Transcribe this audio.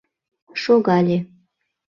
Шогале.